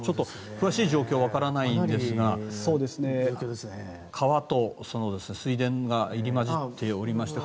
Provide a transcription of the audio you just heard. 詳しい状況はわからないんですが川と水田が入り混じっておりまして。